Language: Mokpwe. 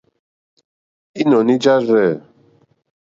Ínɔ̀ní jâ rzɛ̂.